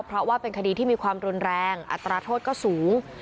เพราะว่าเป็นคดีที่มีความรุนแรงอัตราโทษก็สูง